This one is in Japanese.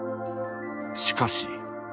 しかし。